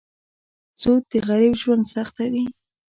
سود د غریب ژوند سختوي.